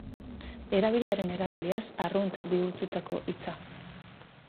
Erabiliaren erabiliaz arrunt bihurtutako hitza.